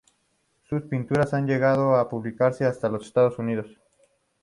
Sus pinturas llegaron a publicarse hasta en Estados Unidos.